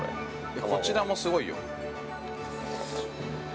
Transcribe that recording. ◆こちらもすごいよ。